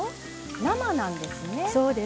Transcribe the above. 生なんですね。